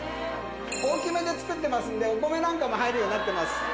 大きめで作ってますんでお米なんかも入るようになってます。